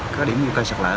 các điểm như cây sạc